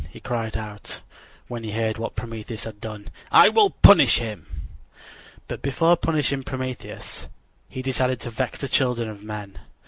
he cried out, when he heard what Prometheus had done. "I will punish him." But before punishing Prometheus he decided to vex the children of men.